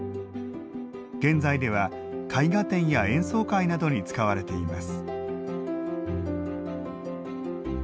現在では絵画展や演奏会などに使われています